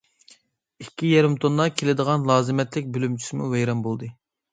ئىككى يېرىم توننا كېلىدىغان لازىمەتلىك بۆلۈمچىسىمۇ ۋەيران بولدى.